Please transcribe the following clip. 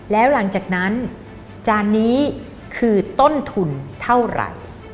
แล้วหลังจากนั้นจานนี้คือต้นทุนเท่าไหร่